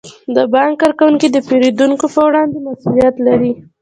د بانک کارکوونکي د پیرودونکو په وړاندې مسئولیت لري.